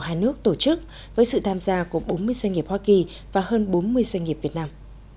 hai nước tổ chức với sự tham gia của bốn mươi doanh nghiệp hoa kỳ và hơn bốn mươi doanh nghiệp việt nam